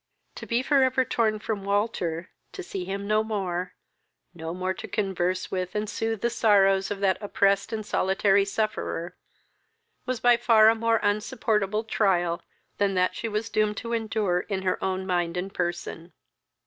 To be for ever torn from Walter to see him no more, no more to converse with and soothe the sorrows of that oppressed and solitary sufferer, was by far a more insupportable trial than that she was doomed to endure in her own mind and person.